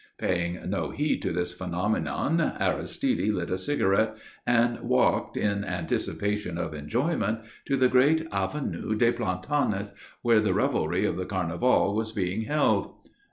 Paying no heed to this phenomenon, Aristide lit a cigarette and walked, in anticipation of enjoyment, to the great Avenue des Plantanes where the revelry of the Carnival was being held.